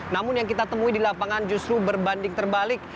namun yang kita temui di lapangan justru berbanding terbalik